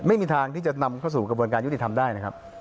ไม่มีทางที่จะนำเข้าสู่กระบวนการยุติธรรมได้นะครับ